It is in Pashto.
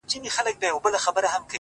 هغه په ژړا ستغ دی چي يې هيڅ نه ژړل،